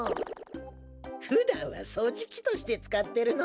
ふだんはそうじきとしてつかってるのだ。